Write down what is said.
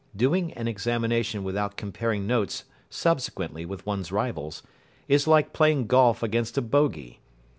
Doing an examination without comparing notes subsequently with one's rivals, is like playing golf against a bogey.